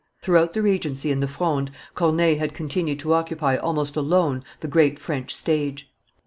Throughout the Regency and the Fronde, Corneille had continued to occupy almost alone the great French stage.